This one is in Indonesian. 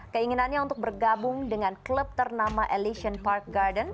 keinginannya untuk bergabung dengan klub ternama ellison park garden